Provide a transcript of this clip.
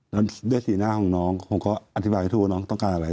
แล้วด้วยสีหน้าของน้องผมก็อธิบายให้ทั่วน้องต้องการอะไร